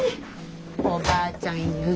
おばあちゃん譲り。